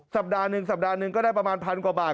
สัปดาห์หนึ่งสัปดาห์หนึ่งก็ได้ประมาณพันกว่าบาท